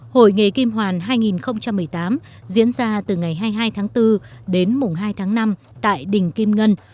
hội nghề kim hoàn hai nghìn một mươi tám diễn ra từ ngày hai mươi hai tháng bốn đến mùng hai tháng năm tại đình kim ngân